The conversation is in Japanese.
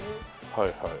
はいはい。